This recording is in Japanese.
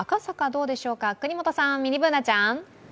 どうでしょうか國本さん、ミニＢｏｏｎａちゃん。